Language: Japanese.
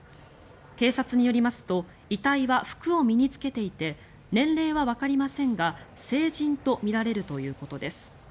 警察によりますと遺体は服を身に着けていて年齢はわかりませんが成人とみられるということです。